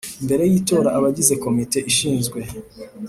Mbere y itora abagize Komite ishinzwe